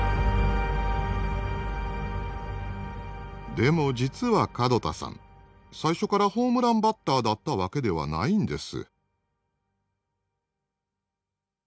でも実は門田さん最初からホームランバッターだったわけではないんです。